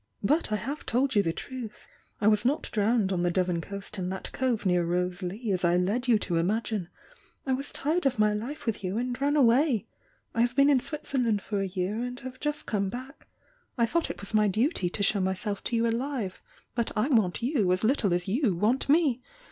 But I have told you the truth. I was not drowned on the Devon coast m that cove near Rose Lea as I led you to imagme I was tired of my life with you and ran away. I have been in Switzerland for a year and have just come back. I thought it was my 840 THE YOUNG DIANA I I duty to show myself to you alive — but I want you as little as you want me.